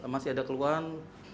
masih ada keluhan